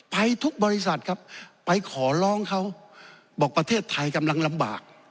ไปทุกบริษัทครับไปขอร้องเขาบอกประเทศไทยกำลังลำบาก